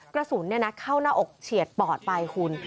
กระสุนเข้าหน้าอกเฉียดปอดไปคุณ